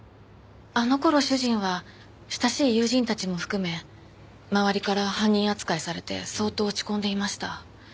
あの頃主人は親しい友人たちも含め周りから犯人扱いされて相当落ち込んでいました。